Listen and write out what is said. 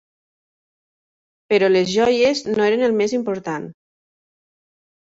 Però les joies no eren el més important.